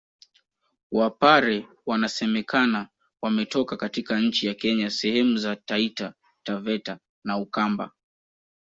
Wapare wanasemekana wametoka katika nchi ya Kenya sehemu za Taita Taveta na Ukamba